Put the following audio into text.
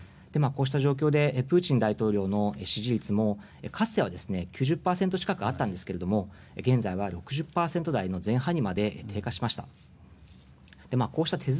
こうした状況でプーチン大統領の支持率もかつては９０％近くあったんですが現在は６０％台の前半にまで低下しました。